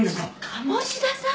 鴨志田さん！？